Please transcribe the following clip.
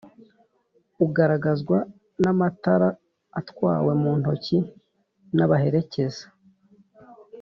ugaragazwa n’amatara atwawe muntoki n’abaherekeza